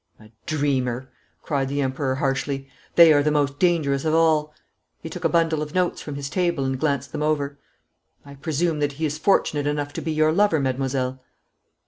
'A dreamer!' cried the Emperor harshly. 'They are the most dangerous of all.' He took a bundle of notes from his table and glanced them over. 'I presume that he is fortunate enough to be your lover, mademoiselle?'